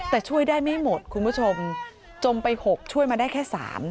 แต่ช่วยได้ไม่หมดคุณผู้ชมจมไป๖ช่วยมาได้แค่๓